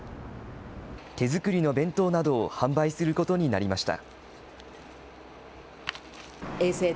手作りの弁当などを販売することになりました。